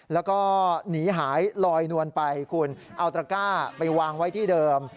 แล้วก็หนีหายลอยนวลไปคุณเอาตระก้าไปวางไว้ที่เดิม